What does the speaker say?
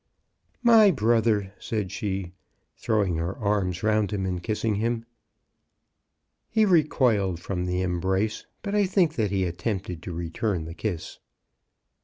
"My brother," said she, throwing her arms round him and kissing him. He recoiled from the embrace, but I think that he attempted to MRS. BROWN AT THOMPSON HALL. 8 1 return the kiss.